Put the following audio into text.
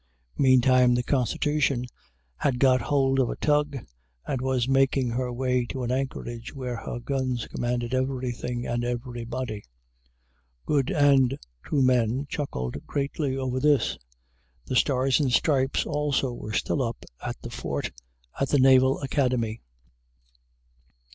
Meantime the "Constitution" had got hold of a tug, and was making her way to an anchorage where her guns commanded everything and everybody. Good and true men chuckled greatly over this. The stars and stripes also were still up at the fort at the Naval Academy.